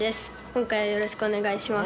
今回はよろしくお願いします。